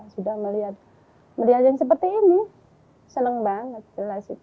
sudah melihat yang seperti ini senang banget